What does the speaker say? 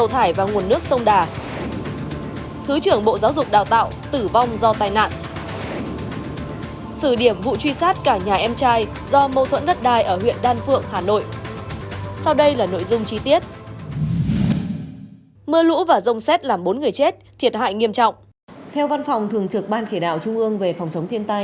theo văn phòng thường trực ban chỉ đạo trung ương về phòng chống thiên tai